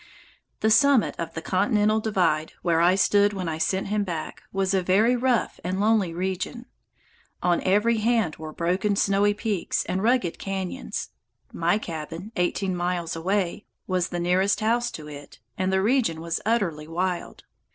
The summit of the Continental Divide, where I stood when I sent him back, was a very rough and lonely region. On every hand were broken snowy peaks and rugged cañons. My cabin, eighteen miles away, was the nearest house to it, and the region was utterly wild.